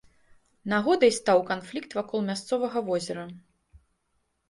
Нагодай стаў канфлікт вакол мясцовага возера.